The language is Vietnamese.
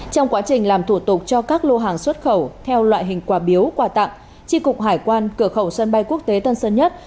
trong quá trình làm thủ tục cho các lô hàng xuất khẩu theo loại hình quả biếu quà tặng tri cục hải quan cửa khẩu sân bay quốc tế tân sơn nhất